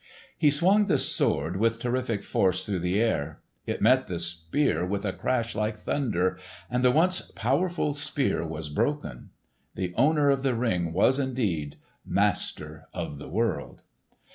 He swung the Sword with terrific force through the air. It met the Spear with a crash like thunder, and the once powerful Spear was broken. The owner of the Ring was indeed master of the world!